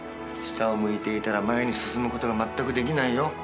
下を向いていたら前に進むことがまったくできないよ。